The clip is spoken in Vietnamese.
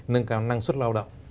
nâng cao năng suất lao động